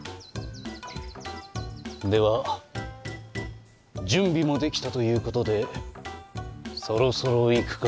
では準備も出来たということでそろそろ行くか？